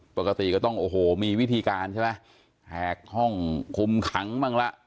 ปกติก็ต้องมีวิธีการแหกห้องคุมขังบ้างละ